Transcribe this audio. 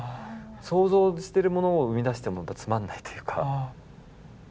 想像してるものを生み出してもつまんないというか。